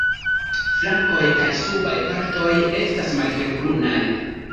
Flankoj kaj subaj partoj estas malhelbrunaj.